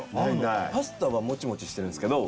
パスタはモチモチしてるんですけど